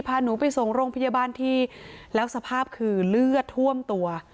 พาหนูไปส่งโรงพยาบาลที่แล้วสภาพคือเลือดท่วมตัว